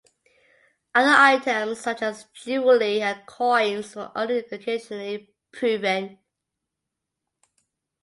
Other items such as jewelry and coins were only occasionally proven.